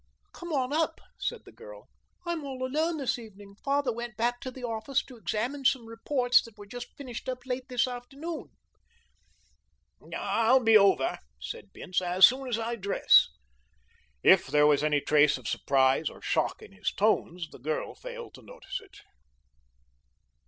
"Come on up," said the girl. "I'm all alone this evening. Father went back to the office to examine some reports that were just finished up late this afternoon." "I'll be over," said Bince, "as soon as I dress." If there was any trace of surprise or shock in his tones the girl failed to notice it.